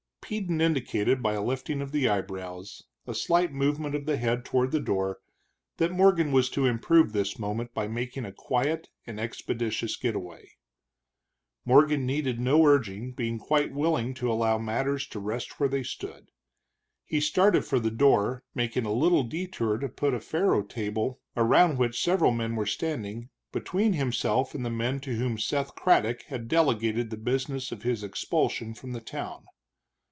Peden indicated by a lifting of the eyebrows, a slight movement of the head toward the door, that Morgan was to improve this moment by making a quiet and expeditious get away. Morgan needed no urging, being quite willing to allow matters to rest where they stood. He started for the door, making a little detour to put a faro table, around which several men were standing, between himself and the men to whom Seth Craddock had delegated the business of his expulsion from the town.